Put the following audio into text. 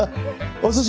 お寿司